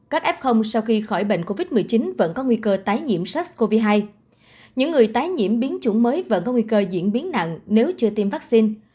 các f sau khi khỏi bệnh covid một mươi chín vẫn có nguy cơ tái nhiễm sars cov hai những người tái nhiễm biến chủng mới vẫn có nguy cơ diễn biến nặng nếu chưa tiêm vaccine